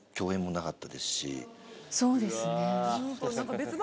そうですね。